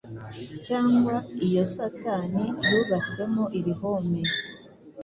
cyangwa iyo Satani yubatsemo ibihome,